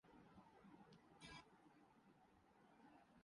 سندھ میں C N G کی فراہمی کے پرانے شیڈول کی بحالی شروع